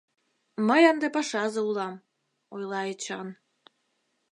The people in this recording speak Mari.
— Мый ынде пашазе улам, — ойла Эчан.